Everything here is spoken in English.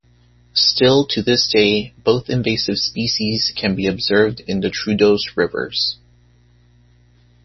Still to this day, both invasive species can be observed in the Troodos rivers.